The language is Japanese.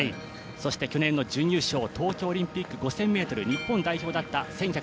そして、去年の準優勝東京オリンピック５０００ｍ日本代表だった１１６４